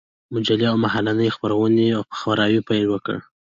مجلې او مهالنۍ خپرونو په خپراوي پيل وكړ.